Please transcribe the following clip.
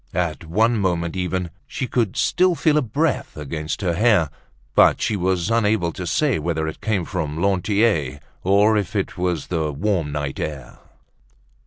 At one moment even, she could still feel a breath against her hair, but she was unable to say whether it came from Lantier or if it was the warm night air.